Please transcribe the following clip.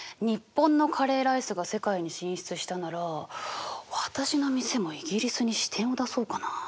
日本のカレーライスが世界に進出したなら私の店もイギリスに支店を出そうかな？